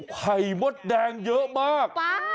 ไข่มดแดงเยอะมาก